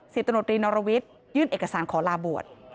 สิทธิ์ตำรวจรีนอรวิทย์ยื่นเอกสารขอลาบวช